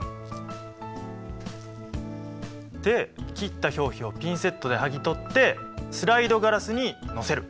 で切った表皮をピンセットではぎ取ってスライドガラスに載せる！